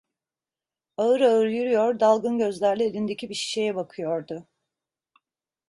Ağır ağır yürüyor, dalgın gözlerle elindeki bir şeye bakıyordu.